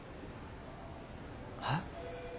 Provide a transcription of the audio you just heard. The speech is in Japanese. はっ？